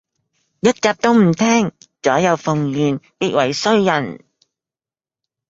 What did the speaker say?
一集都唔聼，左右逢源必為衰人